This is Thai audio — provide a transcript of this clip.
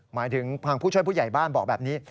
หมายถึงทางผู้ช่วยผู้ใหญ่บ้านบอกแบบนี้